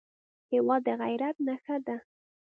هېواد د غیرت نښه ده.